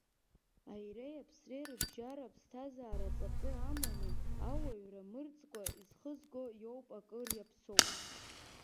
Аиреи аԥсреи рыбжьара аԥсҭазаара аҵакы аманы, ауаҩра мырӡкәа изхызго иоуп акыр иаԥсоу.